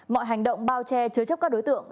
mọi hành động bao che chứa chấp các đối tượng